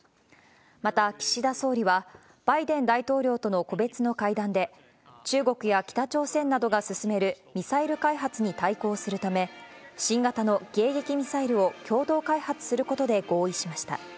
また、岸田総理はバイデン大統領との個別の会談で、中国や北朝鮮などが進めるミサイル開発に対抗するため、新型の迎撃ミサイルを共同開発することで合意しました。